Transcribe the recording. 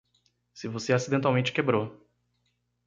Se você acidentalmente quebrou